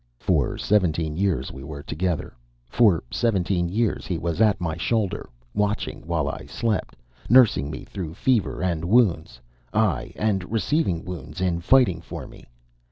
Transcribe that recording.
For seventeen years we were together; for seventeen years he was at my shoulder, watching while I slept, nursing me through fever and wounds ay, and receiving wounds in fighting for me.